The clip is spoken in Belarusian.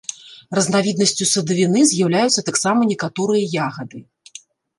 Разнавіднасцю садавіны з'яўляюцца таксама некаторыя ягады.